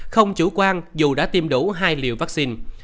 không chủ quan dù đã tiêm đủ hai liều vaccine